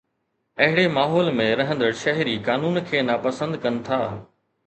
اهڙي ماحول ۾ رهندڙ شهري قانون کي ناپسند ڪن ٿا